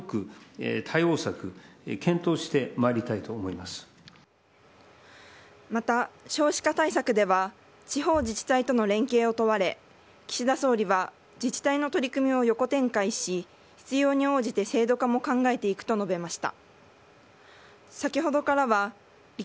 また、少子化対策では地方自治体との連携を問われ岸田総理は自治体の取り組みを横展開し必要に応じて制度化も考えていくと述べました。